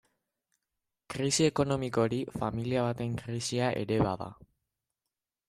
Krisi ekonomiko hori, familia baten krisia ere bada.